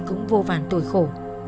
cũng vô vàn tuổi khổ